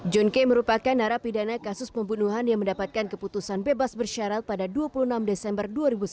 john kay merupakan narapidana kasus pembunuhan yang mendapatkan keputusan bebas bersyarat pada dua puluh enam desember dua ribu sembilan belas